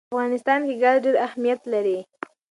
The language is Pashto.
په افغانستان کې ګاز ډېر اهمیت لري.